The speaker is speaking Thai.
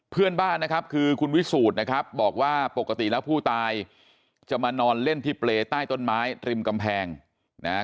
เพื่อนบ้านนะครับคือคุณวิสูจน์นะครับบอกว่าปกติแล้วผู้ตายจะมานอนเล่นที่เปรย์ใต้ต้นไม้ริมกำแพงนะฮะ